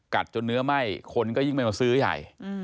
จนเนื้อไหม้คนก็ยิ่งไม่มาซื้อใหญ่